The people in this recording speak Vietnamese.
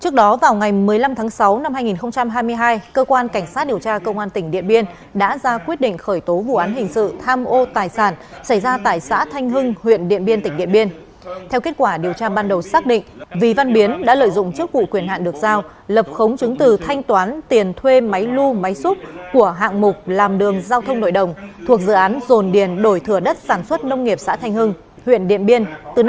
cơ quan cảnh sát điều tra công an tỉnh điện biên vừa ra quyết định khởi tố bị can lệnh bắt bị can để tạm giam lệnh khám xét chỗ ở và nơi làm việc đối với vì văn biến phó chủ tịch ubnd xã thanh hưng huyện điện biên về tội tham mô tài sản